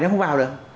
nó không vào được